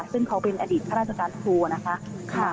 ซึ่งเขาเป็นอดิษฐ์พระราชกาศภูรณ์นะคะ